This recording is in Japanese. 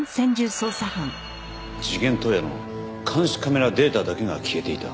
事件当夜の監視カメラデータだけが消えていた？